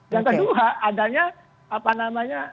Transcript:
yang kedua adanya apa namanya